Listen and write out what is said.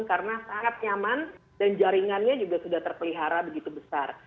karena sangat nyaman dan jaringannya juga sudah terpelihara begitu besar